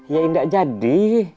ya indah jadi